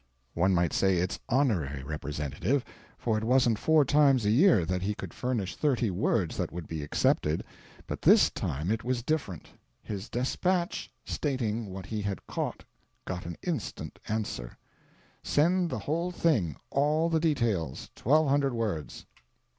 One might say its honorary representative, for it wasn't four times a year that he could furnish thirty words that would be accepted. But this time it was different. His despatch stating what he had caught got an instant answer: "Send the whole thing all the details twelve hundred words."